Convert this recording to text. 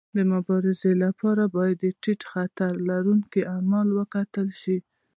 د مبارزې لپاره باید د ټیټ خطر لرونکي اعمال وټاکل شي.